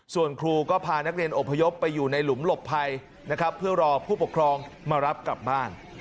ส่วนครูก็พานักเรียนอพยพไปอยู่ในหลุมหลบภัยนะครับเพื่อรอผู้ปกครองมารับกลับบ้าน